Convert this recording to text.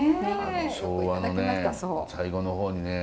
昭和の最後の方にね